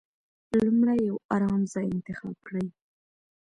لومړی يو ارام ځای انتخاب کړئ.